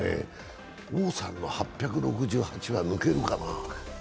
王さんの８６８は抜けるかな？